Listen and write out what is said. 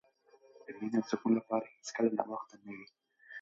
د مینې او سکون لپاره هېڅکله ناوخته نه وي.